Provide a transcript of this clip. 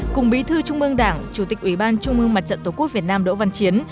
cùng bí thư trung ương đảng chủ tịch ủy ban trung ương mặt trận tổ quốc việt nam đỗ văn chiến